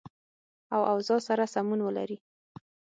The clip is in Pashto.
او اوضاع سره سمون ولري